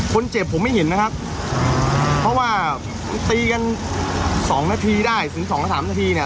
คนเจ็บผมไม่เห็นนะครับเพราะว่าตีกันสองนาทีได้ถึงสองสามนาทีเนี่ย